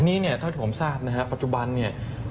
นี้เนี่ยเท่าที่ผมทราบนะครับปัจจุบันเนี่ย